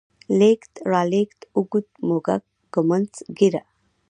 لېږد، رالېږد، اوږد، موږک، ږمنځ، ږيره